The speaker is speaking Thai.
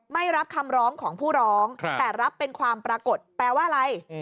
ไม่รับคำร้องของผู้ร้องแต่รับเป็นความปรากฏแปลว่าอะไร